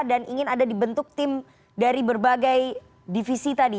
dan ingin ada dibentuk tim dari berbagai divisi tadi